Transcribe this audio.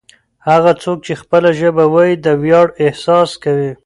هغه څوک چې خپله ژبه وايي د ویاړ احساس کوي.